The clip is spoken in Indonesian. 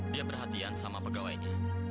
dia perhatian sama pegawainya